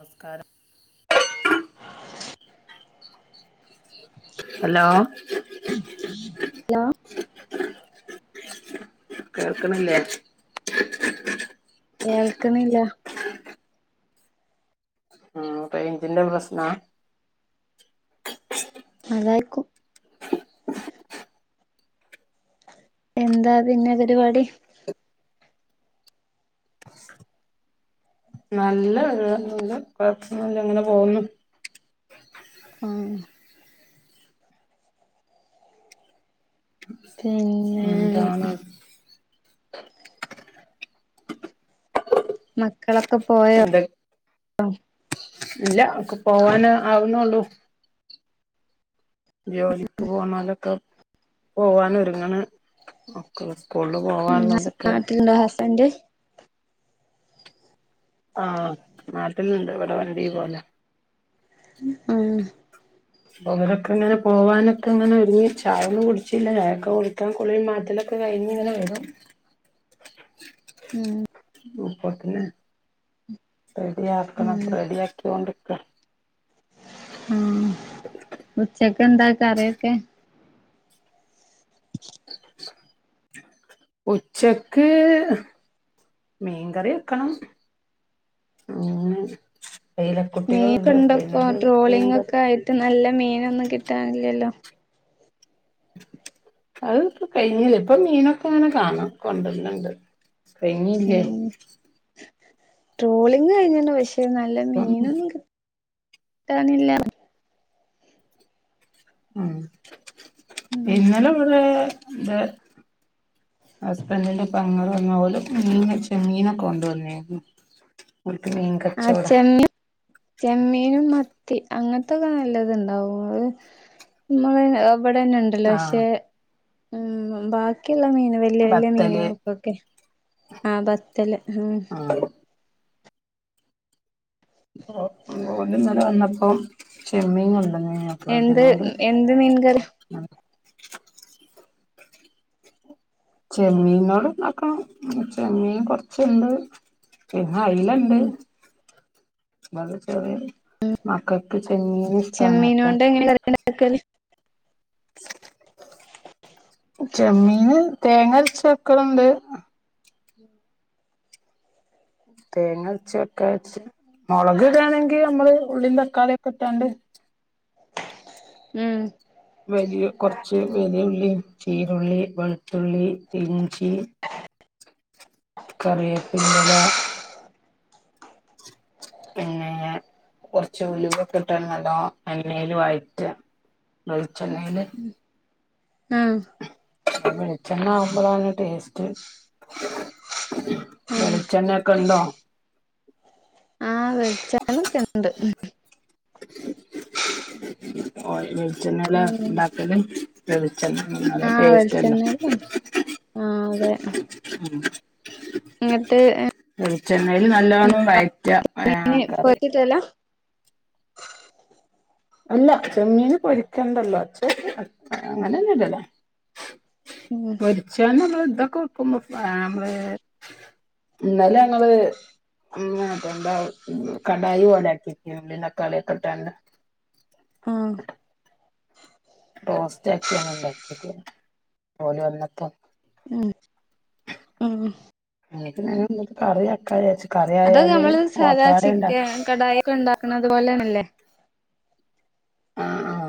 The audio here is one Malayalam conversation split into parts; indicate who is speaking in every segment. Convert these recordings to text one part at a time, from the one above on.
Speaker 1: നമസ്കാരം ഹലോ
Speaker 2: ഹലോ
Speaker 1: കേൾക്ക്ണില്ലേ
Speaker 2: കേൾക്ക്ണില്ലാ
Speaker 1: ഇതിന്റെ പ്രസ്നാ
Speaker 2: അതായിരിക്കും എന്താ പിന്നെ പരിപാടി
Speaker 1: നല്ല പരിവാ കൊഴപ്പൊന്നുല്ല അങ്ങനെ പോവുന്നു
Speaker 2: ആഹ്
Speaker 1: ഉ
Speaker 2: പിൻ
Speaker 1: എന്താണത്
Speaker 2: മക്കളൊക്കെ പോയോ
Speaker 1: എന്തെ ഇല്ല ഒക്ക പോവന് ആവുന്നുള്ളു ജോലിക്ക് പോണോലൊക്കെ പോവാനൊരുങ്ങണ് സ്കൂൾല് പോവാനുള്ളോരൊക്കെ
Speaker 2: ണ്ട ഹസ്ബന്റ്
Speaker 1: ആഹ് നാട്ടിൽണ്ട് ഇവിടെ വണ്ടി പോലാ
Speaker 2: ആഹ്
Speaker 1: ഓരൊക്കെങ്ങനെ പോവാനൊക്കെ ഇങ്ങനെ ഒരുങ്ങി ചായൊന്നും കുടിച്ചില്ല ചായൊക്കെ കുടിക്കാൻ കുളീം മാറ്റലൊക്കെ ഒക്കെ കഴിഞ്ഞ്ങ്ങനെ വരും
Speaker 2: ഉം
Speaker 1: ഇപ്പൊത്തന്നെ റെഡി
Speaker 2: ഉം
Speaker 1: ആക്കണംപ്പ റെഡി ആക്കിക്കൊണ്ടിരിക്കാ
Speaker 2: ആഹ് ഉച്ചക്കെന്താ കറി ഒക്കെ
Speaker 1: ഉച്ചക്ക് മീൻകറി വെക്കണം ഉം ഐലകുട്ടികളുണ്ട്
Speaker 2: മീനൊക്കെ
Speaker 1: അപ്പപിന്നെ
Speaker 2: ഇണ്ടപ്പോ
Speaker 1: അതോണ്ട് മീൻ
Speaker 2: ട്രോളിംഗ്
Speaker 1: കറി
Speaker 2: ഒക്കെ ആയിട്ട് നല്ല മീനൊന്നും കിട്ടാനില്ലല്ലോ
Speaker 1: അത് ഇപ്പ കഴിഞ്ഞിലേ. ഇപ്പൊ മീനൊക്കെ ങ്ങനെ കാണ കൊണ്ടര്ന്ന് ണ്ട്.
Speaker 2: ഉം ട്രോളിങ് കഴിഞ്ഞ്‌ണ് പക്ഷേ നല്ല
Speaker 1: ഇപ്പം
Speaker 2: മീനൊന്നും കിട്ടാനില്ല
Speaker 1: ആഹ്
Speaker 2: ഉം
Speaker 1: ഇന്നലെ വിടെ ന്താ ഹസ്ബൻഡിന്റെ പെങ്ങള് വന്ന ഓല് മീന് ചെമ്മീനൊക്കെ കൊണ്ടുവന്നിരുന്നു. ഓല്ക്ക് മീൻങ്ക
Speaker 2: ആഹ് ചെമ്മീ ചെമ്മീനും മത്തി അങ്ങത്തൊക്കെ നല്ലത്ണ്ടാവും അത് നമ്മളെ വിടെ ന്നെ ണ്ടല്ലോ പക്ഷെ
Speaker 1: ആഹ്
Speaker 2: ഉം ബാക്കിയുള്ള മീന് വല്ല്യ വല്ല്യ
Speaker 1: ബത്തല്
Speaker 2: മീനുകൾക്കൊക്കെ ആഹ് ബത്തല് ഉം
Speaker 1: ആഹ് ഓലിന്നലെ വന്നപ്പം ചെമ്മീൻ കൊണ്ടന്നീനു
Speaker 2: എന്ത് എന്ത് മീൻ കറി
Speaker 1: ആഹ് ചെമ്മീനോട് ണ്ടാക്കണം ചെമ്മീൻ കൊർച്ച്ണ്ട്. പിന്നെ ഐലണ്ട്.
Speaker 2: ഉം
Speaker 1: ബടെ ചെറ്യേ മക്കക്ക് ചെമ്മീന് ഇഷ്ട്ടാണ് അപ്പം.
Speaker 2: ചെമ്മീനോണ്ട് [inaudible]
Speaker 1: ചെമ്മീന് തേങ്ങര്ച്ച് വെക്കലുണ്ട് തേങ്ങര്ച്ച് വെക്കാര്ച്ച്. മൊളക് ഇടാണെങ്കി അമ്മള് ഉള്ളിം തക്കാളിയൊക്കെ ഇട്ടാണ്ട്
Speaker 2: ഉം
Speaker 1: വലിയ കൊർച്ച് വലിയ ഉള്ളിം, ചീരുള്ളി, വെൾത്തുള്ളി, ഇഞ്ചി കറിയേപ്പിന്റെല പിന്നെ കൊർച്ച് ഉലുവക്കെട്ടാണ്ട് നല്ലോം എണ്ണേല് വയറ്റ വെൾച്ചെണ്ണേല്
Speaker 2: ആഹ്
Speaker 1: വെൾച്ചെണ്ണ ആവുമ്പളാണ് ടേസ്റ്റ്
Speaker 2: ഉം
Speaker 1: വെളിച്ചെണ്ണക്കെണ്ടോ
Speaker 2: ആഹ് വെൾച്ച ണ്ണക്കെണ്ട്
Speaker 1: ഓയി വെൾച്ചെണ്ണലാ
Speaker 2: ഉം
Speaker 1: ണ്ടാക്കല് വെളിച്ചെണ്ണ നല്ല ടേസ്റ്റ് അല്ലോ
Speaker 2: ആഹ് അതെ
Speaker 1: ഉം
Speaker 2: ഇങ്ങട്ട് എ
Speaker 1: വെളിച്ചെണ്ണേല് നല്ലോണം വയറ്റ [unintelligible]
Speaker 2: ട്ടലാ
Speaker 1: അല്ല ചെമ്മീന് പൊരിക്കണ്ടല്ലോ അച്ചേക്ക്‌ അങ്ങനെന്നെ ഇടലാ
Speaker 2: ഉം
Speaker 1: പൊര്ച്ചാണ്ട് നമ്മള ഇതൊക്കെ വെക്കുമ്പോ അമ്മള് ഇന്നലെങ്ങള് ഉം അതണ്ടാ കടായി പോലേ ആക്കിയെക്കി ഉള്ളിം തക്കാളിംക്കെ ഇട്ടാണ്ട്
Speaker 2: ആഹ്
Speaker 1: റോസ്റ്റ് ആക്കി അങ്ങൾ ഇണ്ടാക്കില്ലേ ഓല് വന്നപ്പം
Speaker 2: ഉം ഉം
Speaker 1: [unintelligible] നല്ലത് കറി വെക്ക വിജാരിച്ചു കറിയായാല് ഓട്ടാടണ്ടാക്ക
Speaker 2: കടായയൊക്കെ ഇണ്ടാക്ണ തുപോലെയല്ലേ
Speaker 1: ആഹ് ആഹ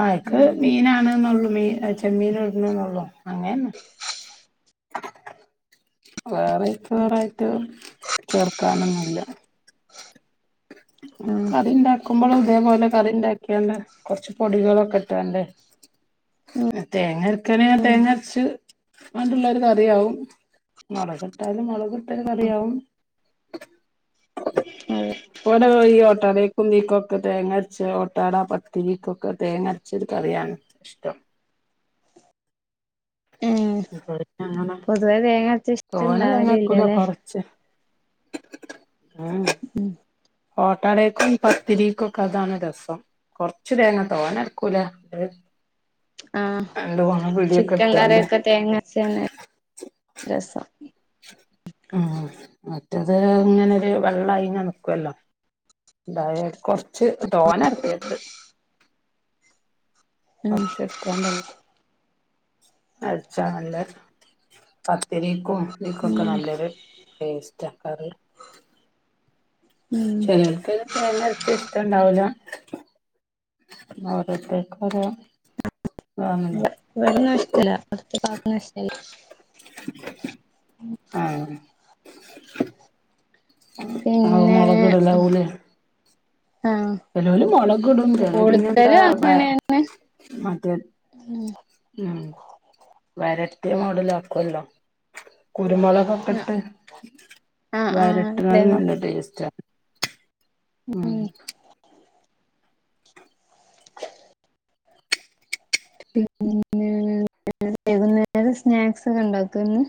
Speaker 1: ആ എക്ക്
Speaker 2: ഉം
Speaker 1: മീനാണ് എന്നള്ളൂ മീ [unintelligible] അങ്ങനെ വേറെ ഇപ്പ വേറായിട്ട് ചേർക്കാനൊന്നുമില്ല
Speaker 2: ഉം
Speaker 1: കറി ഇണ്ടാക്കുമ്പോൾ ഇതേപോലെ കറി ഇണ്ടാക്കിയാണ്ട് കൊറച്ച് പൊടികളൊക്കെ ഇട്ടാണ്ട് തേങ്ങരക്കാണെ തേങ്ങ അരച്ച് അതുള്ള ഒരു കറിയാവും മുളകിട്ടാലും മുളകിട്ടൊരു കറിയാവും
Speaker 2: അതെ
Speaker 1: വിടെ ഈ ഓട്ടാടീക്കും ഇതീക്കും ഒകെ തേങ്ങരച്ച ഓട്ടാട പത്തിരിക്കൊക്കെ തേങ്ങരച്ചത് കറിയാണ് ഇഷ്ട്ടം
Speaker 2: ഉം
Speaker 1: [unintelligible]
Speaker 2: പൊതുവേ തേങ്ങ അരച്ച
Speaker 1: തോനെ തേങ്ങ അരകുല
Speaker 2: ഇഷ്ടണ്ടാവലില്ലല്ലേ
Speaker 1: കൊറച്ച് ഏഹ്
Speaker 2: ഉം
Speaker 1: ഓട്ടടെക്കും പത്തിരിക്കുംക്കെ അതാണ് രസം കൊറച്ച് തേങ്ങ തോരനെടുകൂല
Speaker 2: ആഹ്
Speaker 1: പിടിയൊക്കെ
Speaker 2: ചിക്കൻ
Speaker 1: എടുത്താണ്ട്
Speaker 2: കറിയൊക്കെ തേങ്ങ അരച്ചന്നെ രസം
Speaker 1: ഉം മറ്റത് ഇങ്ങനെരു വെള്ളായിങ്ങെനെ നികോല്ലേ എന്തായാലും കൊറച്ച് തോനെ അരകെര്ത്
Speaker 2: ഉം
Speaker 1: പക്ഷെ അരച്ചാ നല്ല പത്തിരിക്കും പത്തരിക്കൊക്കെ നല്ലൊരു ടേസ്റ്റ് ആ കറി
Speaker 2: ഉം
Speaker 1: ചില ആൾക്കാര് [unintelligible] ചെല ടേസ്റ്റ് ഇഷ്ട്ടാണ്ടാവുല ഓരോത്തർക്ക് ഓരോ ഇതാണല്ലോ
Speaker 2: ഇവിട നഷ്ടല്ല അടുത്ത [unintelligible] നഷ്ടമില്ല
Speaker 1: ആഹ് ആഹ്
Speaker 2: പിന്നെ
Speaker 1: മൊളകിടലാവും ല്ലെ
Speaker 2: ആഹ്
Speaker 1: മുളകിടും ചില പിന്നെന്താ
Speaker 2: കൂടുതലും
Speaker 1: വ
Speaker 2: അങ്ങനെയാണ്
Speaker 1: മറ്റേ
Speaker 2: ഉം
Speaker 1: ഉം വരട്ടിയ മോഡലആക്കൊല്ലോ കുരുമുളക്ഒക്കെ ഇട്ട്
Speaker 2: ആഹ് ആഹ് അതെ
Speaker 1: വരട്ടുന്നത് നല്ല ടേസ്റ്റാ ഉം
Speaker 2: പിന്നെ വൈകുന്നേരം സ്നാക്ക്സ് ഒക്കെ ഇണ്ടാകൊന്നും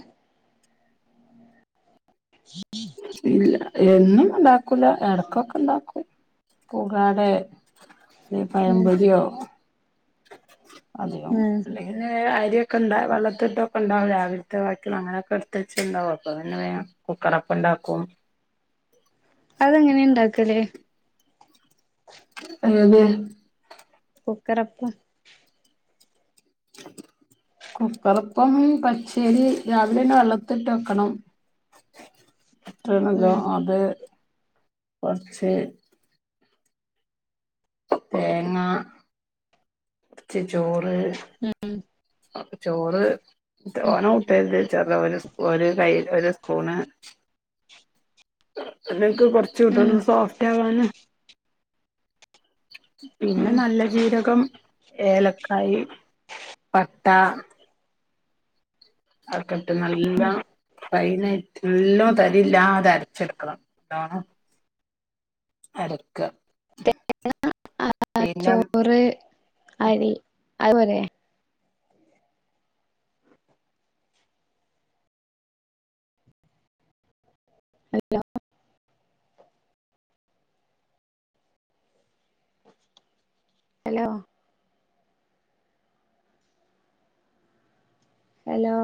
Speaker 2: [inaudible]
Speaker 1: ഇല്ല എന്നും ഇണ്ടാക്കൂല എടക്കൊക്കെ ഇണ്ടാക്കും പൂക്കടെ
Speaker 2: ഉം
Speaker 1: പഴംപൊരിയോ അതെയോ
Speaker 2: ഉം
Speaker 1: പിന്നെ അരിയൊക്കെണ്ട വെള്ളത്തി ഇട്ടൊക്കെണ്ടാവും രാവിലത്തെ വാക്കില്ലെ അങ്ങനൊക്കെ ഇടുത്തച്ച് ഇണ്ടാവും അപ്പൊ പിന്നെ വേഗം കുക്കറ അപ്പ ഇണ്ടാക്കും
Speaker 2: അതെങ്ങനെ ഇണ്ടാക്കല്
Speaker 1: ഏത്
Speaker 2: കുക്കറപ്പം
Speaker 1: കുക്കറപ്പം പച്ചേരി രാവിലന്നെ വെള്ളത്തിലിട്ട് വെക്കണം.
Speaker 2: ഉം
Speaker 1: [unintelligible] അത് കൊറച്ച് തേങ്ങാ ച്ചി ചോറ്,
Speaker 2: ഉം
Speaker 1: അപ്പ ചോറ് ഓന [unintelligible] ചെറുതവന് സ് ഒരു കൈയി ഒരു സ്പൂണ് നിങ്ങ്ക്ക് കൊറ
Speaker 2: ഉം
Speaker 1: ചുടുന്ന സോഫ്റ്റ് ആവാന. പിന്നെ
Speaker 2: ഉം
Speaker 1: നല്ല ജീരകം, ഏലക്കായി, പട്ട. അതൊക്കെട്ട് നല്ല ഫയിനായി നല്ലോം തരില്ലാതെ അരച്ചെടുക്കണം അതാണ് അട്ക്കാ.
Speaker 2: [unintelligible] ആ ചോറ് അരി അതുപോരെ. [unintelligible] ഹലോ. ഹലോ.